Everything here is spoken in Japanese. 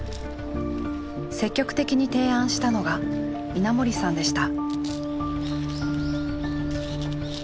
積極的に提案したのが稲森さんでした。